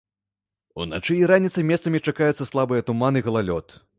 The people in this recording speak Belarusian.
Уначы і раніцай месцамі чакаюцца слабыя туман і галалёд.